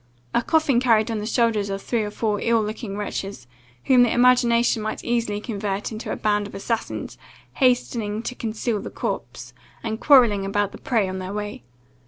A coffin carried on the shoulders of three or four ill looking wretches, whom the imagination might easily convert into a band of assassins, hastening to conceal the corpse, and quarrelling about the prey on their way.